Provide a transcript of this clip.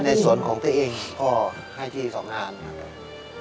ในส่วนของตัวเองก็ให้ที่สองงานนะครับ